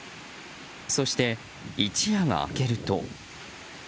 そして一夜が明けると。